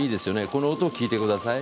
この音を聞いてください。